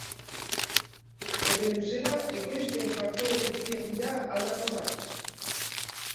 Epe luzera ekoizpen-faktore guztiak dira aldakorrak.